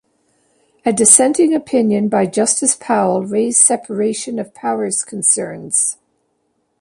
A dissenting opinion by Justice Powell raised separation of powers concerns.